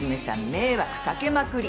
迷惑かけまくり。